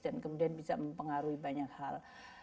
dan kemudian bisa mempengaruhi banyak hal